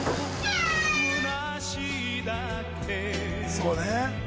そうね。